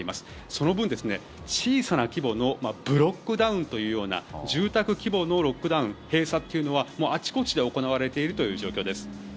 その分、小さな規模のブロックダウンというような住宅規模のロックダウン、閉鎖というのはあちこちで行われているという状況です。